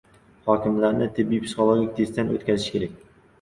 "Hokimlarni tibbiy-psixologik testdan o‘tkazish kerak!"